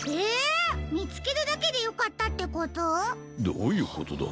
どういうことだ？